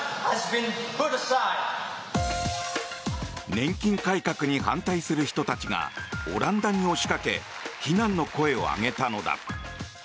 年金改革に反対する人たちがオランダに押しかけ非難の声を上げたのだ。